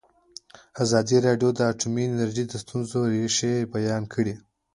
ازادي راډیو د اټومي انرژي د ستونزو رېښه بیان کړې.